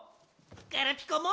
ガラピコも！